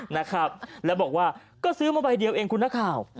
นะครับแล้วบอกว่าก็ซื้อมาใบเดียวเองคุณนักข่าว